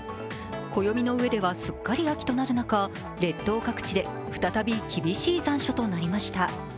暦の上ではすっかり秋となる中列島各地で再び厳しい残暑となりました。